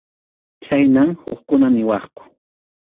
Chayman hukkuna niwaqku.